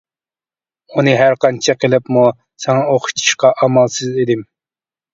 ئۇنى ھەرقانچە قىلىپمۇ ساڭا ئوخشىتىشقا ئامالسىز ئىدىم.